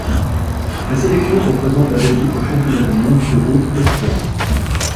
La sélection représente la Belgique aux championnats du monde sur route espoirs.